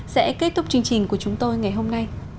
sẽ kết thúc chương trình của chúng tôi ngày hôm nay